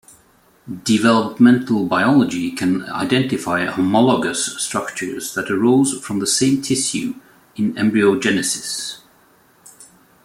Developmental biology can identify homologous structures that arose from the same tissue in embryogenesis.